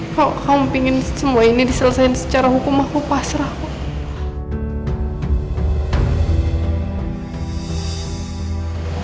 kok kamu ingin semua ini diselesaikan secara hukum aku pasrah kok